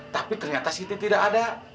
tapi ternyata city tidak ada